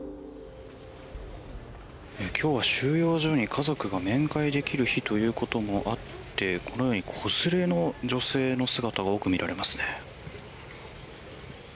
今日は収容所に家族が面会できる日ということもあってこのように子連れの女性の姿が多く見られますね。